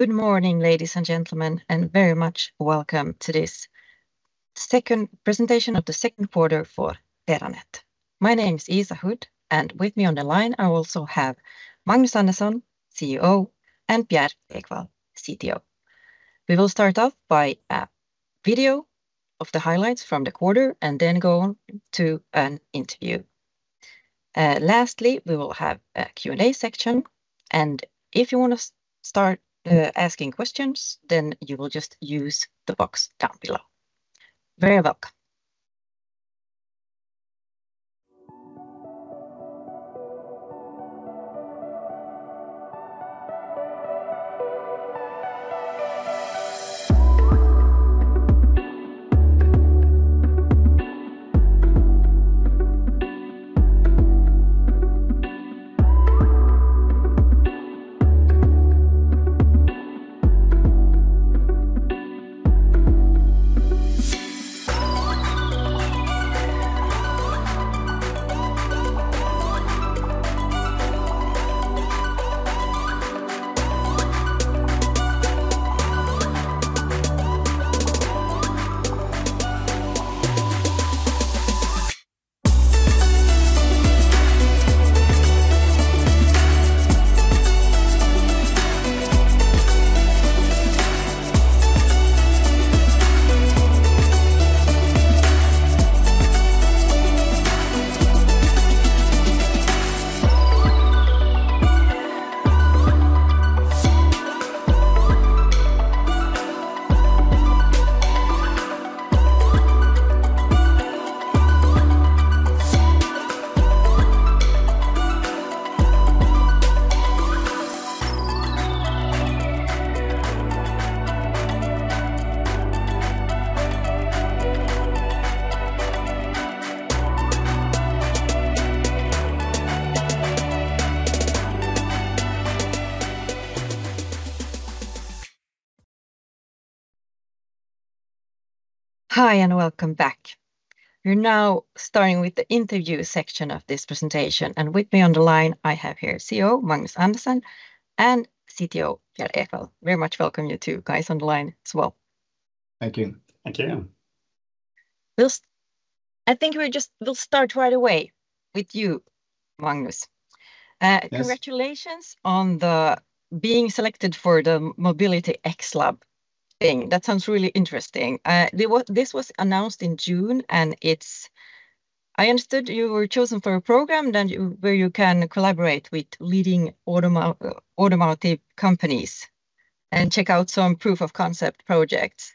Good morning, ladies and gentlemen, and very much welcome to this second presentation of the second quarter for Terranet. My name is Isa Hood, and with me on the line, I also have Magnus Andersson, CEO, and Pierre Ekwall, CTO. We will start off by a video of the highlights from the quarter, and then go on to an interview. Lastly, we will have a Q&A section, and if you want to start asking questions, then you will just use the box down below. Very welcome. Hi, and welcome back. We're now starting with the interview section of this presentation, and with me on the line, I have here CEO Magnus Andersson and CTO Pierre Ekwall. Very much welcome you two guys on the line as well. Thank you. Thank you. I think we'll just start right away with you, Magnus. Yes. Congratulations on the being selected for the MobilityXlab thing. That sounds really interesting. This was announced in June, and it's, I understood you were chosen for a program then where you can collaborate with leading automotive companies and check out some proof of concept projects.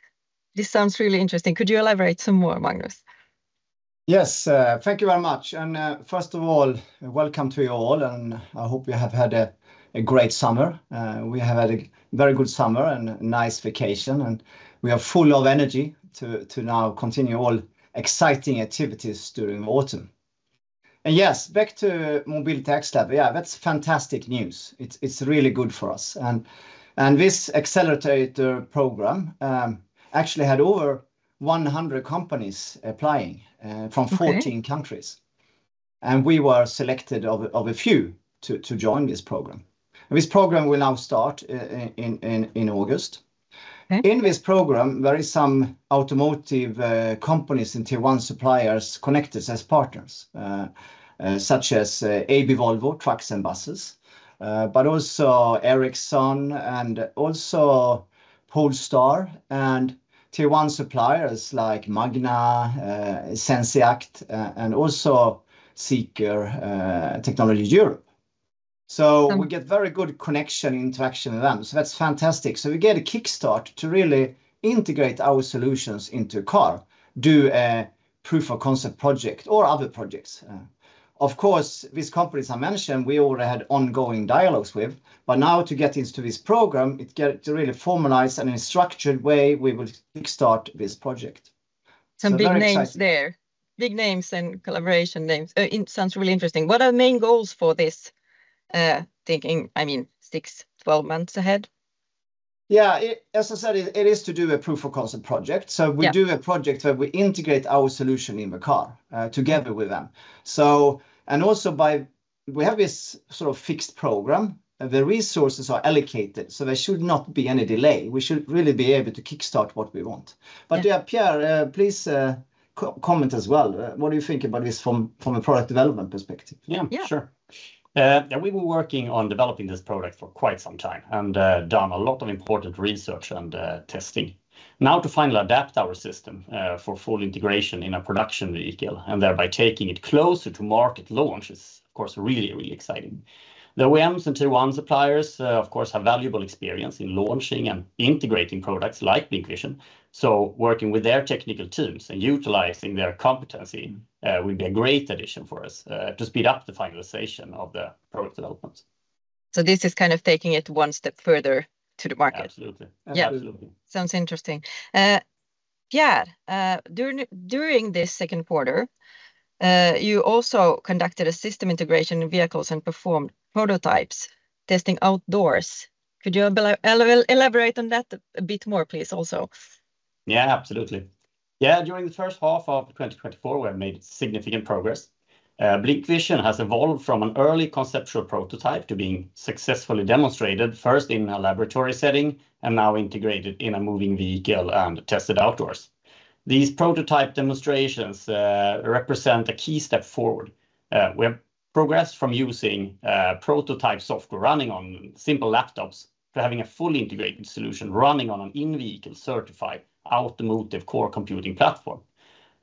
This sounds really interesting. Could you elaborate some more, Magnus? Yes, thank you very much, and, first of all, welcome to you all, and I hope you have had a great summer. We have had a very good summer and nice vacation, and we are full of energy to now continue all exciting activities during autumn. Yes, back to MobilityXlab. Yeah, that's fantastic news. It's really good for us, and this accelerator program actually had over 100 companies applying from 14 countries, and we were selected out of a few to join this program. This program will now start in August. Okay. In this program, there is some automotive companies and Tier 1 suppliers connected as partners, such as AB Volvo Trucks and Buses, but also Ericsson and also Polestar and Tier 1 suppliers like Magna, Zenseact, and also ZEEKR Technology Europe. Okay. So we get very good connection, interaction with them, so that's fantastic. So we get a kickstart to really integrate our solutions into car, do a proof of concept project or other projects. Of course, these companies I mentioned, we already had ongoing dialogues with, but now to get into this program, it get to really formalize in a structured way, we will kickstart this project. So very exciting. Some big names there. Big names and collaboration names. It sounds really interesting. What are the main goals for this, thinking, I mean, 6-12 months ahead? Yeah, as I said, it is to do a proof of concept project. Yeah. So we do a project where we integrate our solution in the car, together with them. So, and also by, We have this sort of fixed program, the resources are allocated, so there should not be any delay. We should really be able to kickstart what we want. Yeah. But, yeah, Pierre, please comment as well. What do you think about this from a product development perspective? Yeah, sure. We've been working on developing this product for quite some time and done a lot of important research and testing. Now, to finally adapt our system for full integration in a production vehicle, and thereby taking it closer to market launch is, of course, really, really exciting. The OEMs and Tier 1 suppliers, of course, have valuable experience in launching and integrating products like BlincVision, so working with their technical teams and utilizing their competency will be a great addition for us to speed up the finalization of the product development. This is kind of taking it one step further to the market? Absolutely. Absolutely. Yeah. Sounds interesting. Pierre, during this second quarter, you also conducted a system integration in vehicles and performed prototypes, testing outdoors. Could you elaborate on that a bit more, please, also? Yeah, absolutely. Yeah, during the first half of 2024, we have made significant progress. BlincVision has evolved from an early conceptual prototype to being successfully demonstrated, first in a laboratory setting, and now integrated in a moving vehicle and tested outdoors. These prototype demonstrations represent a key step forward. We have progressed from using prototype software running on simple laptops to having a fully integrated solution running on an in-vehicle certified automotive core computing platform.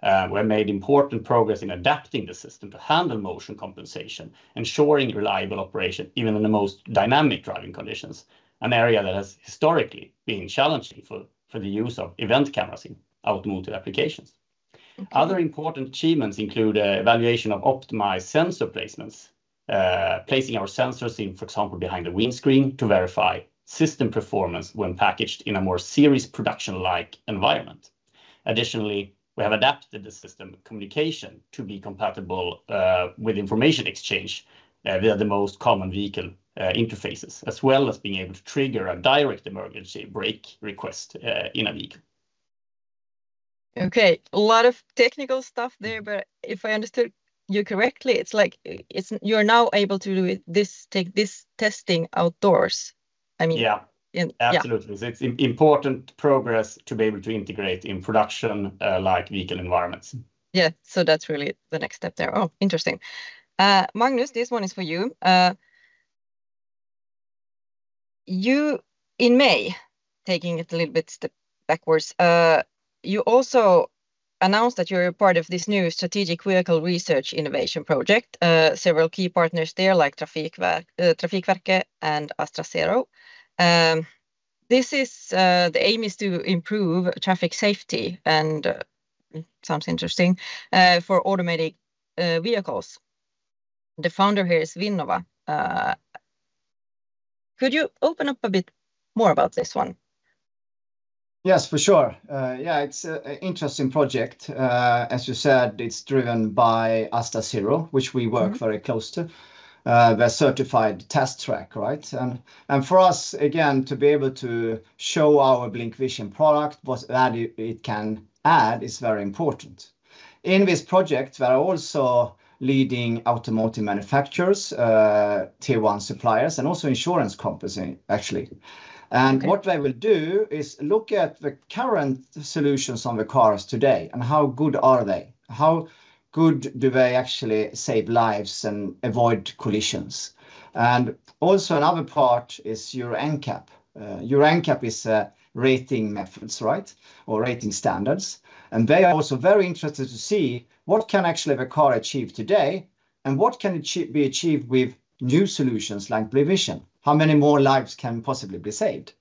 We have made important progress in adapting the system to handle motion compensation, ensuring reliable operation, even in the most dynamic driving conditions, an area that has historically been challenging for the use of event cameras in automotive applications. Other important achievements include evaluation of optimized sensor placements, placing our sensors in, for example, behind the windshield to verify system performance when packaged in a more serious production-like environment. Additionally, we have adapted the system communication to be compatible with information exchange via the most common vehicle interfaces, as well as being able to trigger a direct emergency brake request in a vehicle. Okay, a lot of technical stuff there, but if I understood you correctly, it's like, it's—you're now able to do it, this, take this testing outdoors. I mean- Yeah. Yeah. Absolutely. It's important progress to be able to integrate in production, like vehicle environments. Yeah. So that's really the next step there. Oh, interesting. Magnus, this one is for you. You, in May, taking it a little bit step backwards, you also announced that you're a part of this new strategic vehicle research innovation project, several key partners there, like Trafikverket and AstaZero. This is, the aim is to improve traffic safety, and sounds interesting, for automated vehicles. The founder here is Vinnova. Could you open up a bit more about this one? Yes, for sure. Yeah, it's an interesting project. As you said, it's driven by AstaZero, which we work very close to, their certified test track, right? And for us, again, to be able to show our BlincVision product, what value it can add, is very important. In this project, there are also leading automotive manufacturers, Tier 1 suppliers, and also insurance companies, actually. Okay. What they will do is look at the current solutions on the cars today, and how good are they? How good do they actually save lives and avoid collisions? Another part is Euro NCAP. Euro NCAP is a rating methods, right, or rating standards, and they are also very interested to see what can actually the car achieve today, and what can be achieved with new solutions like BlincVision? How many more lives can possibly be saved?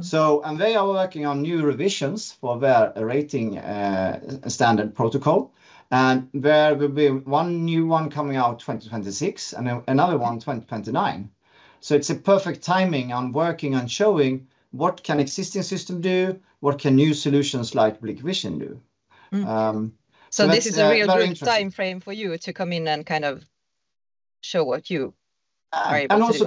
So, they are working on new revisions for their rating standard protocol, and there will be one new one coming out 2026, and another one 2029. So it's a perfect timing on working on showing what can existing system do, what can new solutions like BlincVision do? Mm. Very, very interesting. So this is a real good timeframe for you to come in and kind of show what you are able to do. And also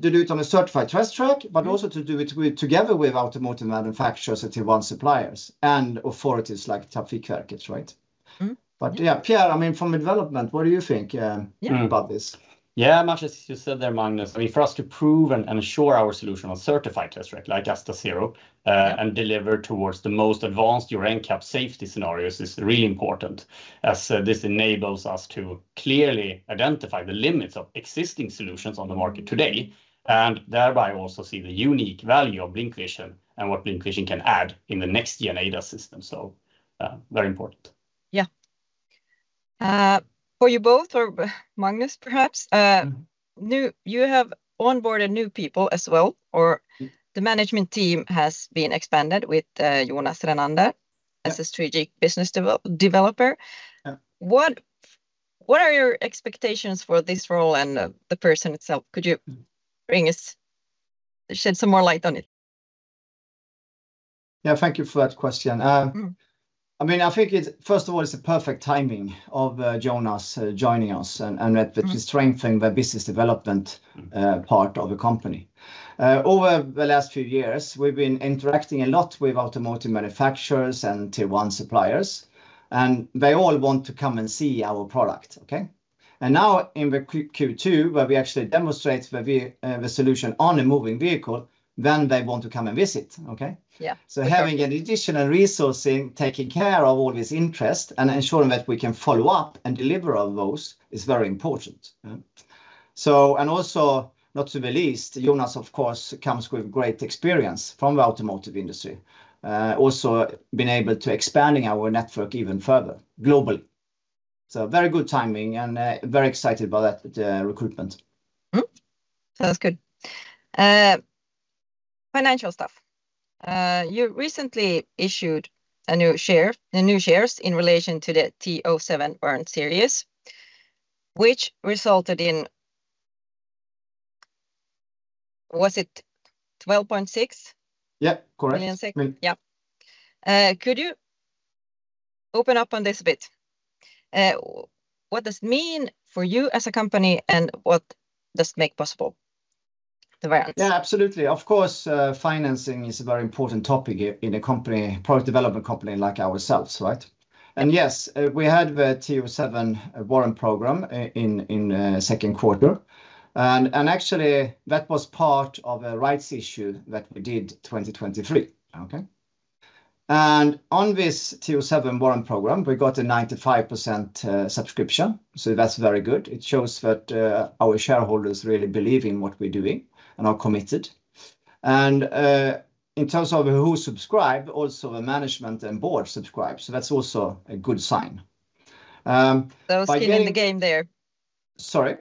to do it on a certified test track, but also to do it with, together with automotive manufacturers and Tier 1 suppliers, and authorities like Trafikverket, right? Mm-hmm. Yeah, Pierre, I mean, from development, what do you think about this? Yeah, much as you said there, Magnus, I mean, for us to prove and assure our solution on certified test track, like AstaZero, and deliver towards the most advanced Euro NCAP safety scenarios is really important, as this enables us to clearly identify the limits of existing solutions on the market today, and thereby also see the unique value of BlincVision and what BlincVision can add in the next gen ADAS system. So, very important. Yeah. For you both, or Magnus, perhaps, you have onboarded new people as well, or the management team has been expanded with Jonas Renander, as a strategic business developer. Yeah. What, what are your expectations for this role and the person itself? Could you bring us, shed some more light on it? Yeah, thank you for that question. I mean, I think it, first of all, it's the perfect timing of Jonas joining us, and, and that to strengthen the business development, part of the company. Over the last few years, we've been interacting a lot with automotive manufacturers and Tier 1 suppliers, and they all want to come and see our product, okay? And now, in the Q2, where we actually demonstrate the solution on a moving vehicle, then they want to come and visit, okay? Yeah. So having an additional resourcing, taking care of all this interest, and ensuring that we can follow up and deliver on those, is very important. So, and also, not to the least, Jonas, of course, comes with great experience from the automotive industry. Also been able to expanding our network even further, globally. So very good timing, and very excited by that recruitment. Sounds good. Financial stuff. You recently issued a new share, the new shares in relation to the TO7 warrant series, which resulted in, Was it 12.6 million? Yeah, correct. Yeah. Could you open up on this a bit? What does it mean for you as a company, and what does it make possible? Yeah, absolutely. Of course, financing is a very important topic in a company, product development company like ourselves, right? And yes, we had the TO7 warrant program in second quarter. And actually, that was part of a rights issue that we did 2023. Okay? And on this TO7 warrant program, we got a 95% subscription, so that's very good. It shows that our shareholders really believe in what we're doing and are committed. And in terms of who subscribed, also the management and board subscribed, so that's also a good sign. By doing- Skin in the game there. Sorry?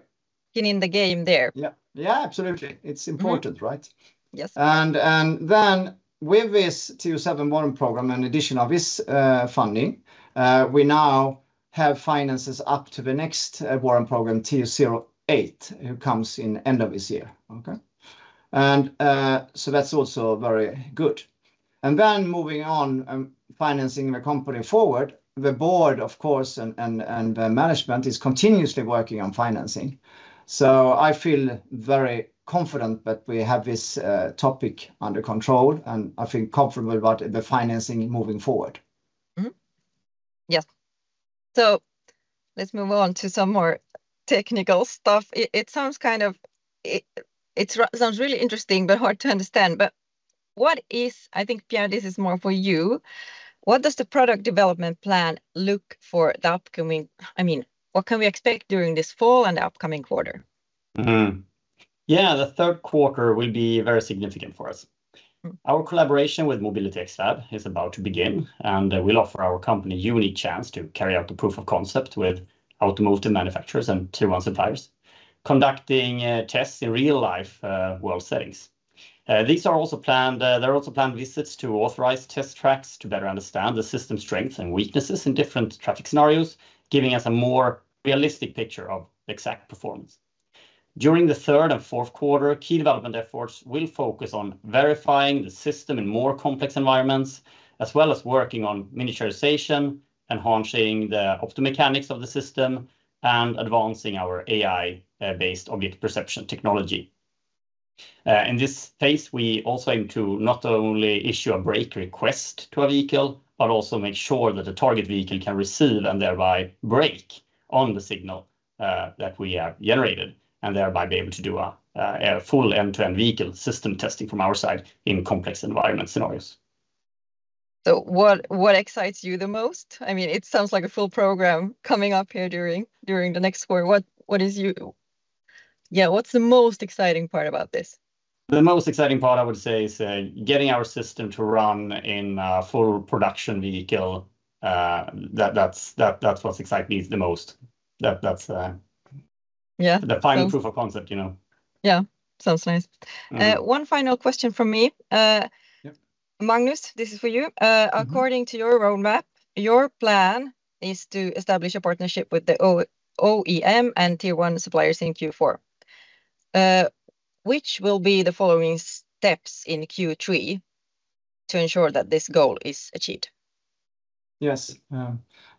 Skin in the game there. Yeah. Yeah, absolutely. It's important, right? Yes. And then with this TO7 warrant program, in addition of this funding, we now have finances up to the next warrant program, TO8, who comes in end of this year. Okay? And so that's also very good. And then moving on and financing the company forward, the board, of course, and the management is continuously working on financing. So I feel very confident that we have this topic under control, and I feel comfortable about the financing moving forward. Mm-hmm. Yeah. So let's move on to some more technical stuff. It sounds kind of, It sounds really interesting, but hard to understand. I think, Pierre, this is more for you. What does the product development plan look for the upcoming—I mean, what can we expect during this fall and the upcoming quarter? Mm-hmm. Yeah, the third quarter will be very significant for us. Our collaboration with MobilityXlab is about to begin, and will offer our company a unique chance to carry out the proof of concept with automotive manufacturers and Tier 1 suppliers, conducting tests in real-life world settings. These are also planned; there are also planned visits to authorized test tracks to better understand the system's strengths and weaknesses in different traffic scenarios, giving us a more realistic picture of the exact performance. During the third and fourth quarter, key development efforts will focus on verifying the system in more complex environments, as well as working on miniaturization, enhancing the optomechanics of the system, and advancing our AI-based object perception technology. In this phase, we also aim to not only issue a brake request to a vehicle, but also make sure that the target vehicle can receive and thereby brake on the signal that we have generated, and thereby be able to do a full end-to-end vehicle system testing from our side in complex environment scenarios. So what excites you the most? I mean, it sounds like a full program coming up here during the next quarter. Yeah, what's the most exciting part about this? The most exciting part, I would say, is getting our system to run in a full production vehicle. That's what excites me the most, the final proof of concept, you know? Yeah. Sounds nice. Mm-hmm. One final question from me. Yep. Magnus, this is for you. Mm-hmm. According to your roadmap, your plan is to establish a partnership with the OEM and Tier 1 suppliers in Q4. Which will be the following steps in Q3 to ensure that this goal is achieved? Yes.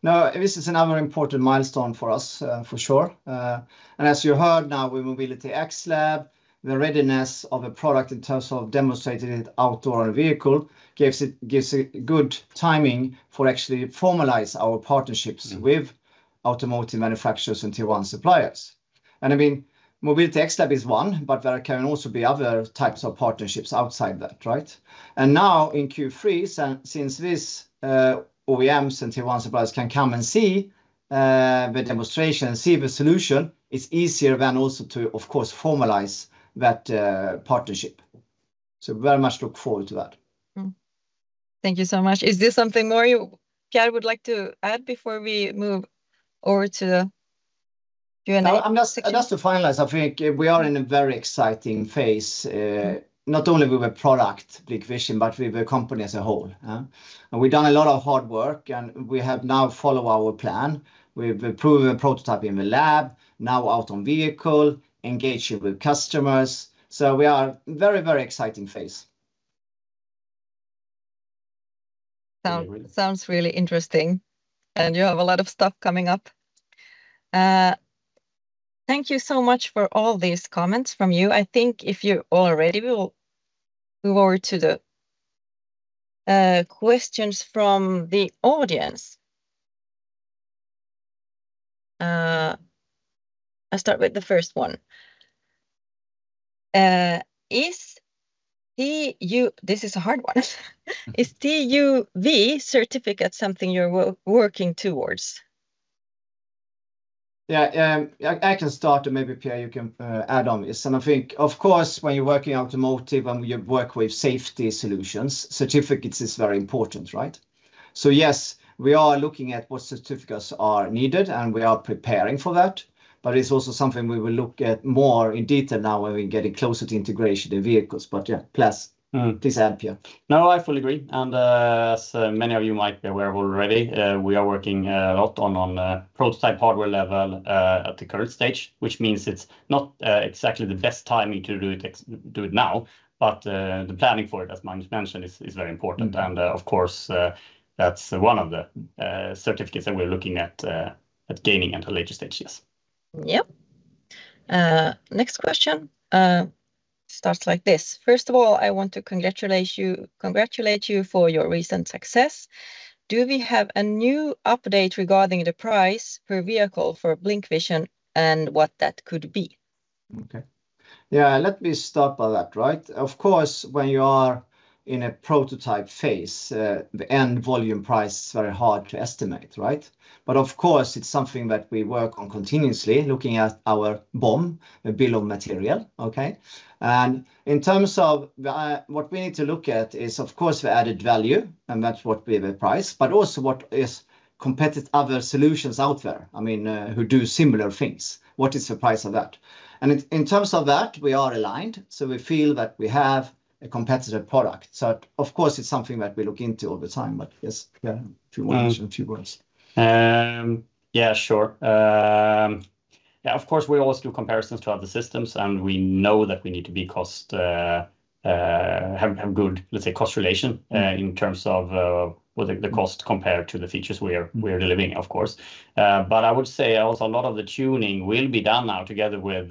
Now, this is another important milestone for us, for sure. And as you heard now with MobilityXlab, the readiness of a product in terms of demonstrating it out on a vehicle, gives it, gives it good timing for actually formalize our partnerships with automotive manufacturers and Tier 1 suppliers. And I mean, MobilityXlab is one, but there can also be other types of partnerships outside that, right? And now in Q3, since this, OEMs and Tier 1 suppliers can come and see the demonstration and see the solution, it's easier then also to, of course, formalize that partnership. So very much look forward to that. Thank you so much. Is there something more you, Pierre, would like to add before we move over to Q&A? I'm just to finalize, I think we are in a very exciting phase, not only with the product BlincVision, but with the company as a whole. We've done a lot of hard work, and we have now followed our plan. We've proven the prototype in the lab, now out on vehicle, engaging with customers. So we are very, very exciting phase. Yeah, really. Sounds really interesting, and you have a lot of stuff coming up. Thank you so much for all these comments from you. I think if you're all ready, we will move over to the questions from the audience. I'll start with the first one. This is a hard one. Is TÜV certificate something you're working towards? Yeah, I can start, and maybe, Pierre, you can add on this. And I think, of course, when you're working automotive and you work with safety solutions, certificates is very important, right? So yes, we are looking at what certificates are needed, and we are preparing for that, but it's also something we will look at more in detail now that we're getting closer to integration in vehicles. But yeah, please, please add, Pierre. No, I fully agree, and, as many of you might be aware already, we are working a lot on prototype hardware level at the current stage, which means it's not exactly the best timing to do it now, but the planning for it, as Magnus mentioned, is very important. And of course, that's one of the certificates that we're looking at at gaining at a later stage, yes. Yep, next question starts like this: "First of all, I want to congratulate you, congratulate you for your recent success. Do we have a new update regarding the price per vehicle for BlincVision and what that could be?" Okay. Yeah, let me start by that, right? Of course, when you are in a prototype phase, the end volume price is very hard to estimate, right? But of course, it's something that we work on continuously, looking at our BOM, the Bill of Material, okay? And in terms of the what we need to look at is, of course, the added value, and that's what we will price, but also what is competitive other solutions out there, I mean, who do similar things. What is the price of that? And in terms of that, we are aligned, so we feel that we have a competitive product. So of course, it's something that we look into all the time, but yes, yeah, do you want to add a few words? Yeah, sure. Yeah, of course, we always do comparisons to other systems, and we know that we need to be cost, have good, let's say, cost relation, in terms of, well, the cost compared to the features we are delivering, of course. But I would say also a lot of the tuning will be done now together with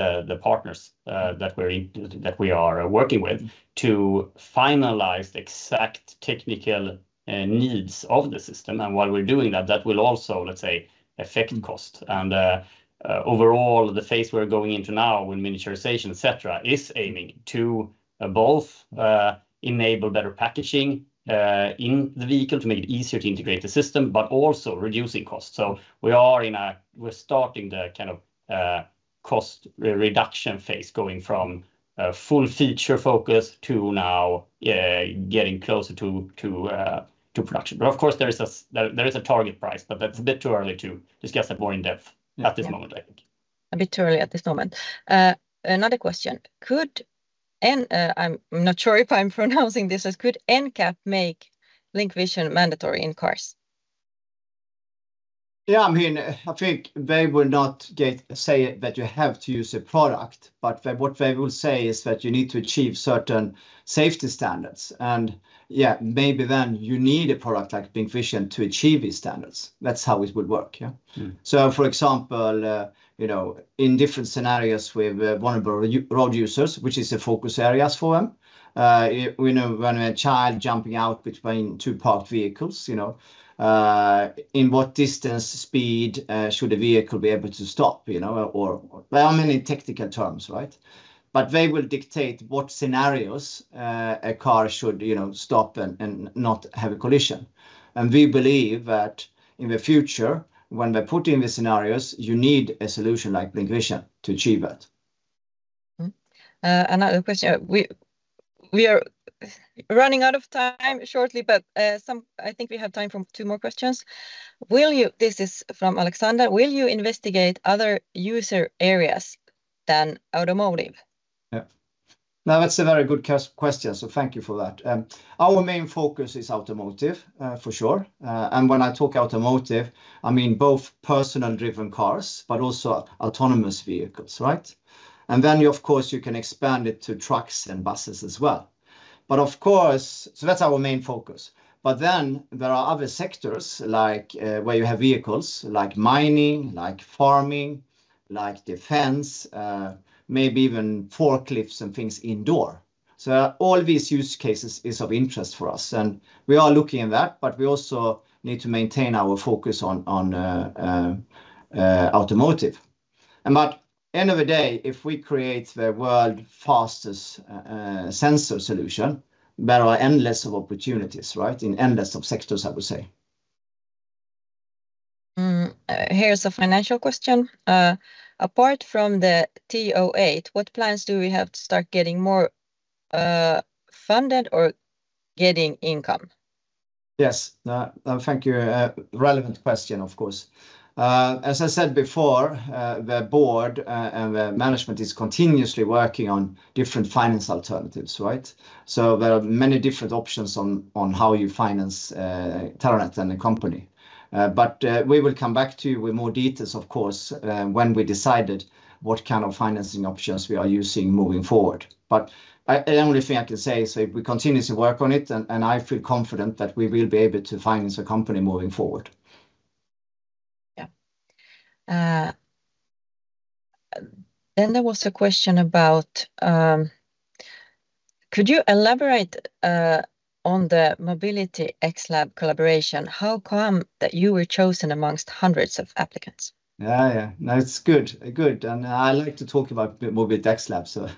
the partners that we are working with to finalize the exact technical needs of the system. And while we're doing that, that will also, let's say, affect cost. And, overall, the phase we're going into now with miniaturization, et cetera, is aiming to both enable better packaging in the vehicle to make it easier to integrate the system, but also reducing costs. So we are in, we're starting the kind of cost reduction phase, going from a full feature focus to now, getting closer to production. But of course, there is a target price, but that's a bit too early to discuss that more in depth at this moment, I think. A bit too early at this moment. Another question, I'm not sure if I'm pronouncing this right: "Could NCAP make BlincVision mandatory in cars?" Yeah, I mean, I think they will not get say that you have to use a product, but what they will say is that you need to achieve certain safety standards, and yeah, maybe then you need a product like BlincVision to achieve these standards. That's how it would work, yeah? Mm. So for example, you know, in different scenarios with vulnerable road users, which is the focus areas for them, you know, when a child jumping out between two parked vehicles, you know, in what distance, speed, should the vehicle be able to stop, you know, or, There are many technical terms, right? But they will dictate what scenarios, a car should, you know, stop and, and not have a collision. And we believe that in the future, when they put in the scenarios, you need a solution like BlincVision to achieve that. Mm-hmm. Another question. We are running out of time shortly, but I think we have time for two more questions. This is from Alexander. "Will you investigate other user areas than automotive?" Yeah. Now, that's a very good question, so thank you for that. Our main focus is automotive, for sure. And when I talk automotive, I mean both personal driven cars, but also autonomous vehicles, right? And then you, of course, you can expand it to trucks and buses as well. But of course, So that's our main focus. But then there are other sectors, like, where you have vehicles, like mining, like farming, like defense, maybe even forklifts and things indoor. So all these use cases is of interest for us, and we are looking at that, but we also need to maintain our focus on automotive. And but end of the day, if we create the world fastest sensor solution, there are endless of opportunities, right, in endless of sectors, I would say. Here's a financial question. "Apart from the TO8, what plans do we have to start getting more funded or getting income?" Yes. Thank you. A relevant question, of course. As I said before, the board and the management is continuously working on different finance alternatives, right? So there are many different options on how you finance Terranet and the company. But we will come back to you with more details, of course, when we decided what kind of financing options we are using moving forward. But the only thing I can say is that we continuously work on it, and I feel confident that we will be able to finance the company moving forward. Yeah. Then there was a question about, "Could you elaborate on the MobilityXlab collaboration? How come that you were chosen among hundreds of applicants?" Yeah, yeah. No, it's good, good, and I like to talk about the MobilityXlab, so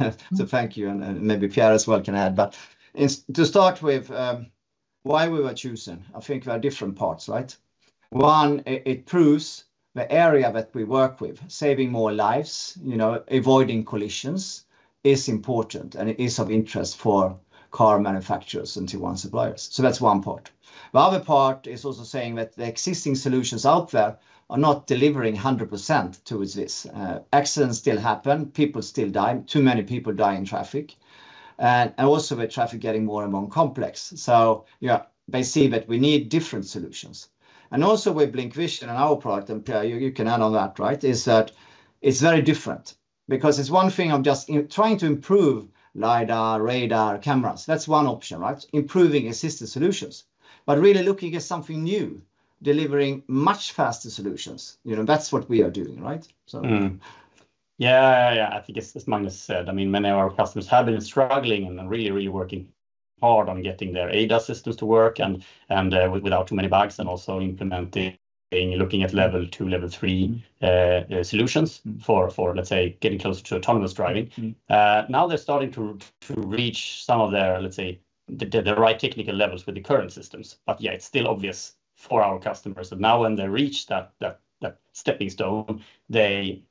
thank you, and maybe Pierre as well can add. But to start with, why we were chosen, I think there are different parts, right? One, it proves the area that we work with, saving more lives, you know, avoiding collisions, is important, and it is of interest for car manufacturers and Tier 1 suppliers. So that's one part. The other part is also saying that the existing solutions out there are not delivering 100% towards this. Accidents still happen, people still die, too many people die in traffic. And also the traffic getting more and more complex. So yeah, they see that we need different solutions. And also with BlincVision and our product, and Pierre, you can add on that, right? Is that it's very different because it's one thing of just you trying to improve LiDAR, radar, cameras. That's one option, right? Improving existing solutions. But really looking at something new, delivering much faster solutions. You know, that's what we are doing, right? Mm. Yeah, yeah, I think it's as Magnus said. I mean, many of our customers have been struggling and really, really working hard on getting their ADAS systems to work, and without too many bugs, and also implementing, looking at Level 2, Level 3 solutions for, let's say, getting closer to autonomous driving. Mm. Now they're starting to reach some of their, let's say, the right technical levels with the current systems. But yeah, it's still obvious for our customers that now when they reach that stepping stone, they,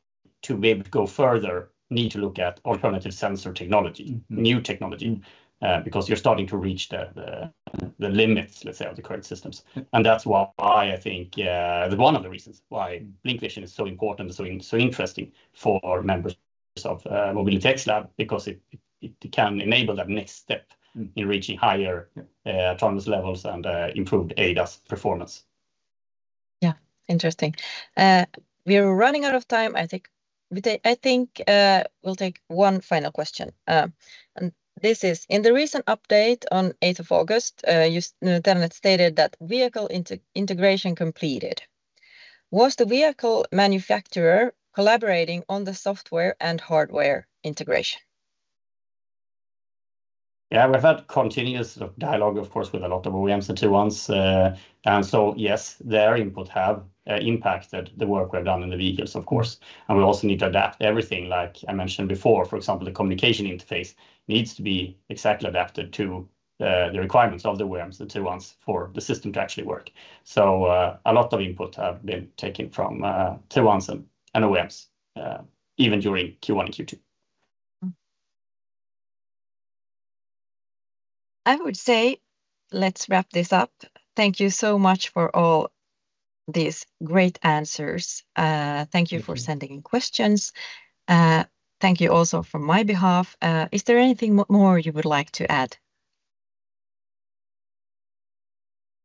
to be able to go further, need to look at alternative sensor technology, new technology. Mm. Because you're starting to reach the limits, let's say, of the current systems. Mm. That's why I think one of the reasons why BlincVision is so important and so, so interesting for members of MobilityXlab, because it can enable that next step in reaching higher, autonomous levels and, improved ADAS performance. Yeah, interesting. We are running out of time. I think we'll take one final question. And this is, in the recent update on August 8th, Terranet stated that vehicle integration completed. Was the vehicle manufacturer collaborating on the software and hardware integration? Yeah, we've had continuous sort of dialogue, of course, with a lot of OEMs and Tier 1s. And so yes, their input have impacted the work we've done in the vehicles, of course, and we also need to adapt everything, like I mentioned before. For example, the communication interface needs to be exactly adapted to the requirements of the OEMs, the Tier 1s, for the system to actually work. So, a lot of input have been taken from Tier 1s and OEMs, even during Q1 and Q2. I would say, let's wrap this up. Thank you so much for all these great answers. Thank you for sending in questions. Thank you also from my behalf. Is there anything more you would like to add?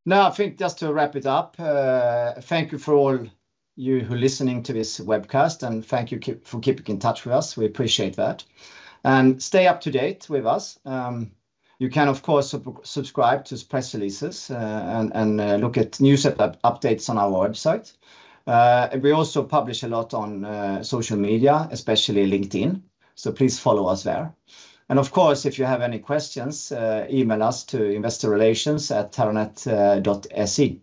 No, I think just to wrap it up, thank you for all you who are listening to this webcast, and thank you for keeping in touch with us. We appreciate that. And stay up to date with us. You can, of course, subscribe to press releases, and look at news updates on our website. We also publish a lot on social media, especially LinkedIn, so please follow us there. And of course, if you have any questions, email us to investorrelations@terranet.se.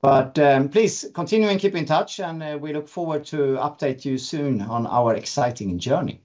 But please continue and keep in touch, and we look forward to update you soon on our exciting journey.